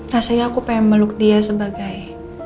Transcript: rasanya aku pengen meluk dia sebagai